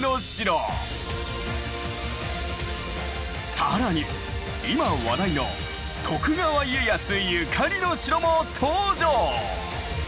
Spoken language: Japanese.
更に今話題の徳川家康ゆかりの城も登場。